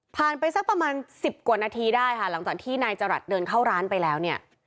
ไปสักประมาณสิบกว่านาทีได้ค่ะหลังจากที่นายจรัสเดินเข้าร้านไปแล้วเนี่ย